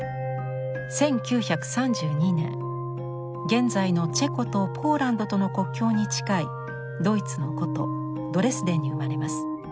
１９３２年現在のチェコとポーランドとの国境に近いドイツの古都ドレスデンに生まれます。